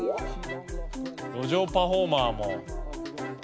路上パフォーマーも。